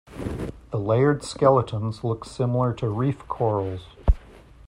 The layered skeletons look similar to reef corals.